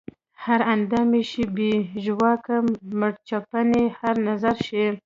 هر اندام ئې شي بې ژواکه مړڅپن ئې هر نظر شي